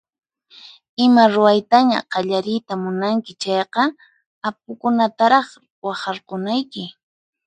Ima ruwaytaña qallariyta munanki chayqa apukunataraq waqharkunayki.